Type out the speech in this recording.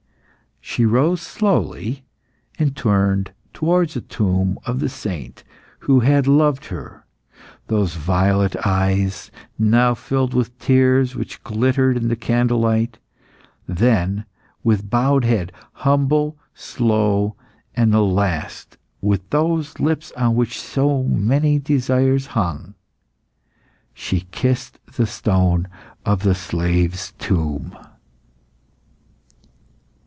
She rose slowly, and turned towards the tomb of the saint who had loved her, those violet eyes, now filled with tears which glittered in the candle light; then, with bowed head, humble, slow, and the last, with those lips on which so many desires hung, she kissed the stone of the slave's tomb.